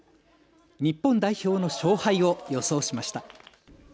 日本代表の勝敗を予想しました。